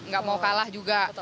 nggak mau kalah juga